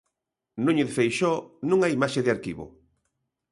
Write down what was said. Núñez Feixóo, nunha imaxe de arquivo.